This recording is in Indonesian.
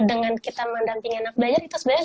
dengan kita mendampingi anak belajar